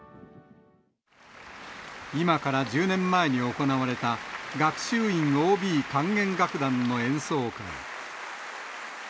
今から１０年前に行われた、学習院ＯＢ管弦楽団の演奏会。